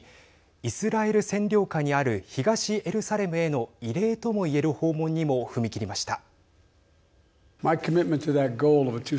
イスラエル占領下にある東エルサレムへの異例ともいえる訪問にも踏み切りました。